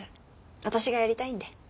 私がやりたいんで。